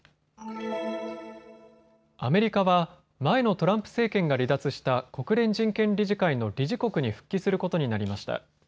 アメリカは、前のトランプ政権が離脱した国連人権理事会の理事国に復帰することになりました。